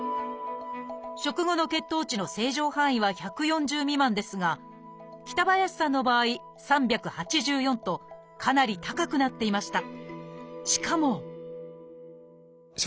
食後の血糖値の正常範囲は１４０未満ですが北林さんの場合３８４とかなり高くなっていました。